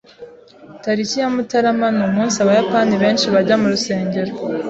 Tariki ya Mutarama ni umunsi Abayapani benshi bajya mu rusengero.